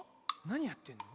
なにやってんの？